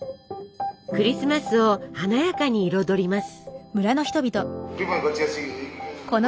クリスマスを華やかに彩ります。